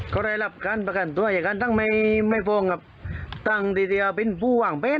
มากับการแพกน์ตัวอย่างนั้นไม่ไม่ต้องกับจงที่จะเป็นผู้หวังเป็น